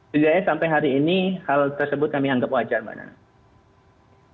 setidaknya sampai hari ini hal tersebut kami anggap wajar mbak nana